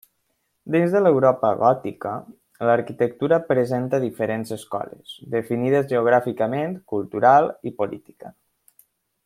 Dins de l'Europa gòtica, l'arquitectura presenta diferents escoles, definides geogràficament, cultural i política.